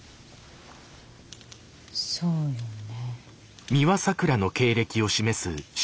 そうよね。